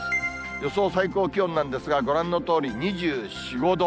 予想最高気温なんですが、ご覧のとおり、２４、５度。